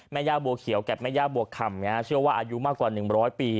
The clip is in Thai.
แม่ย่าบัวเขียวแก่แม่ย่าบัวค่ำนะฮะเชื่อว่าอายุมากกว่าหนึ่งร้อยปี